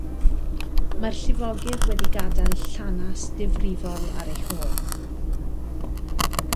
Mae'r llifogydd wedi gadael llanast difrifol ar eu hôl.